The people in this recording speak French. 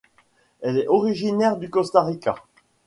Elle est originaire du Costa Rica.